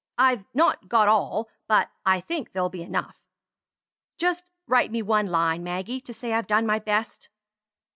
I've not got all; but I think they'll be enough. Just write me one line, Maggie, to say I've done my best."